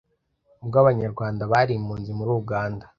Ubwo Abanyarwanda bari impunzi muri Uganda